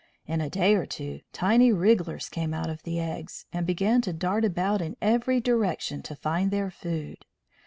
In a day or two tiny wrigglers came out of the eggs, and began to dart about in every direction to find their food.